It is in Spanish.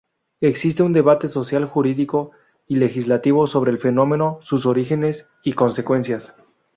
Existe un debate social, jurídico y legislativo sobre el fenómeno, sus orígenes y consecuencias.